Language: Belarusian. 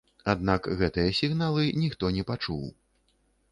Аднак гэтыя сігналы ніхто не пачуў.